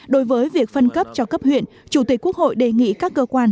đối với việc phân cấp cho cấp huyện chủ tịch quốc hội đề nghị các cơ quan